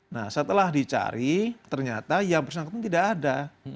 nah setelah dicari ternyata yang persyaratan itu tidak ada